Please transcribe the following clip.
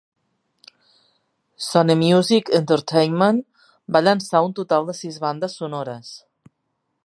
Sony Music Entertainment va llençar un total de sis bandes sonores.